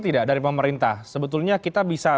tidak dari pemerintah sebetulnya kita bisa